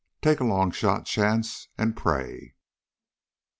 Take a long shot chance, and pray.